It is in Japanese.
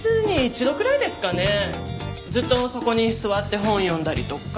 ずっとそこに座って本を読んだりとか